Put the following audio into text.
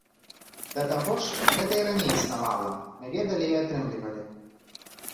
Да таго ж, гэта і раней існавала, мы ведалі і атрымлівалі.